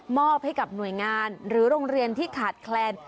อบให้กับหน่วยงานหรือโรงเรียนที่ขาดแคลน